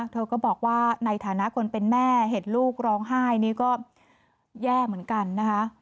เธอก็บอกว่าในฐานะคนเป็นแม่เห็นลูกร้องไห้นี่ก็แย่เหมือนกันนะคะ